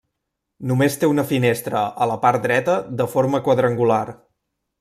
Només té una finestra a la part dreta de forma quadrangular.